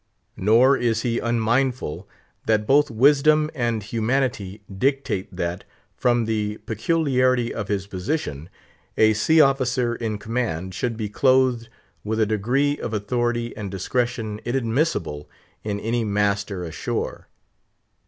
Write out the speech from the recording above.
Nor is he unmindful that both wisdom and humanity dictate that, from the peculiarity of his position, a sea officer in command should be clothed with a degree of authority and discretion inadmissible in any master ashore.